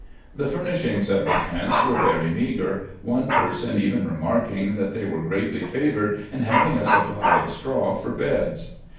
The furnishings of the tents were very meagre, one person even remarking that they were greatly favored in having a supply of straw for beds.